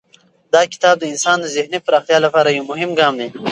دا کتاب د انسان د ذهني پراختیا لپاره یو مهم ګام دی.